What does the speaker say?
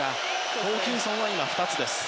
ホーキンソンは今、２つです。